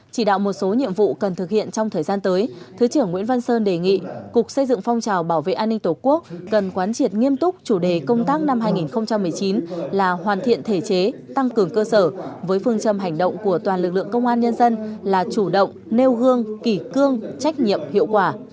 chỉ đạo một số nhiệm vụ cần thực hiện trong thời gian tới thứ trưởng nguyễn văn sơn đề nghị cục xây dựng phong trào bảo vệ an ninh tổ quốc cần quán triệt nghiêm túc chủ đề công tác năm hai nghìn một mươi chín là hoàn thiện thể chế tăng cường cơ sở với phương châm hành động của toàn lực lượng công an nhân dân là chủ động nêu gương kỷ cương trách nhiệm hiệu quả